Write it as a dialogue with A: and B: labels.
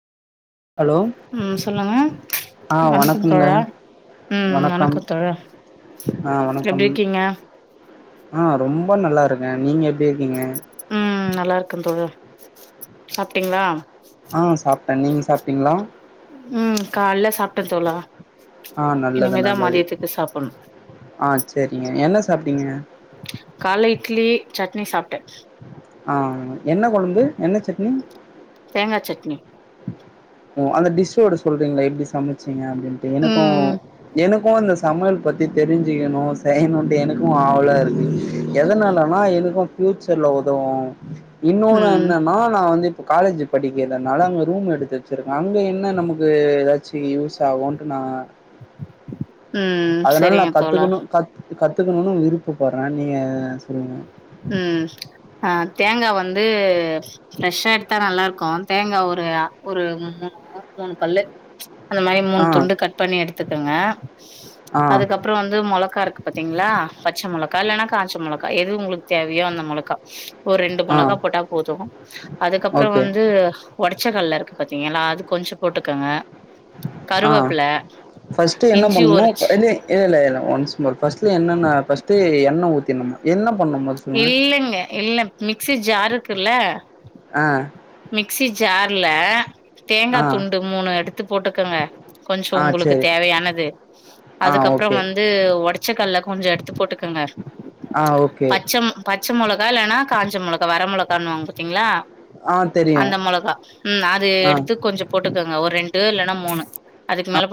A: hello
B: ம் சொல்லுங்க
A: அ
B: வணக்கம்
A: வணக்கும்ங்க
B: தோழா ம்
A: வணக்கம்
B: தோழா
A: அ
B: எப்டி
A: வணக்கம்
B: இருக்கீங்க
A: அ ரொம்ப நல்லாருக்க நீங்க எப்டி இருக்கீங்க
B: ம் நல்லாருக்கு தோழ சாப்ட்டீங்ளா
A: ஆ சாப்ட்ட நீங்க சாப்ட்டீங்ளா
B: ம் கால்ல சாப்ட்ட தோழா
A: ஆ
B: இனிமேதா மதியத்துக்கு சாப்புட்ணு
A: அ செரிங்க என்ன சாப்ட்டீங்க
B: கால்ல இட்லி சட்னி சாப்ட்ட
A: ஆ என்ன கொழம்பு என்ன சட்னி
B: தேங்கா சட்னி
A: ஒ அந்த டிஷ்வோட சொல்றீங்ளா எப்டி சமச்சீங்க அப்டின்ட்டு எனக்கு
B: ம்
A: எனக்கு இந்த சமயல் பத்தி தெரிஞ்சுக்கணு செயணுன்ட்டு எனுக்கு ஆவளா இருக்கு எதனாலனா எனுக்கு ஃப்யூச்சர்ல ஒதவு இன்னொன
B: ம்
A: என்னனா நா வந்து இப்ப காலேஜ் படிக்கற்தனால அங்க ரூம் எடுத்து சிருக்க அங்க என்ன நமுக்கு எதாச்சி யூஸ் ஆவுன்ட்டு நா
B: ம்
A: அதனால் நா
B: செரிங்க தோழா
A: கத்துக்குணு கத் கத்துக்குணுனு விருப்புப்பறே நீங்க சொல்லுங்க
B: ம் ஆ தேங்கா வந்து ஃப்ரெஷ்ஷா எடுத்தா நல்லார்க்கு தேங்கா ஒரு ஆ ஒரு முண்ணோ மூணு பல்லு அந்ந மாயி
A: ஆ
B: மூண் துண்டு கட் பண்ணி எடுத்துக்குங்க
A: ஆ
B: அதுக்கப் ப்றோ வந்து மொளக்கா இருக்கு பாத்தீங்ளா பச்சு மொளக்கா இல்லன்னா கான்ச்சு மொளக்கா எது உங்ளுக் தேவையோ அந்த மொளக்கா ஒர் ரெண்டு
A: ஆ
B: மொளகா போட்டா போது அதுக்கப்றோ
A: ஓகே
B: வந்து உடைச்சக்கல்ல இர்க்கு பாத்தீங்கல்லா அது கொஞ்சு போட்டுக்கங்க
A: ஆ
B: கருவேப்பில
A: ஃபஸ்ட்டு என்ன
B: இஞ்சி
A: பண்ணனு
B: ஒரு
A: எனே இல்லல்ல என்ன வன்ஸ் மோர் பஸ்ட்டுல என்னன்ன பஸ்ட்டே எண்ண ஊத்திர்னுமா என்ன பண்ணுமோது
B: இல்லங்க இல்ல மிக்சி ஜார் இக்குல்ல
A: ஆ
B: மிக்சி ஜார்ல தேங்கா
A: ஆ
B: துண்டு மூணு எடுத்து போட்டுக்கங்க கொஞ்சோ
A: ஆ
B: உங்ளுக்கு
A: சரி
B: தேவயானது
A: ஆ
B: அதுக்கப்றோ
A: ஓகே
B: வந்து ஒடச்ச கல்ல கொஞ்ச எடுத்து போட்டுக்குங்க
A: ஆ ஓகே
B: பச்சம் பச்ச மொளகா இல்லேன்னா காஞ்ச மொளகா வர மொளகானுவாங் பாத்தீங்ளா
A: ஆ தெரியும்
B: அந்த மொளகா உம் அது
A: ஆ
B: எடுத்து கொஞ்சு போட்டுக்குங்க ஒர் ரெண்டு இல்லன்னா மூணு அதுக்கு மேல